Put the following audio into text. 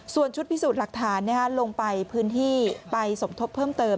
ส่วนชุดพิสูจน์หลักฐานลงไปพื้นที่ไปสมทบเพิ่มเติม